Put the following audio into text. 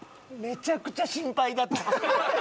めちゃくちゃ心配だって。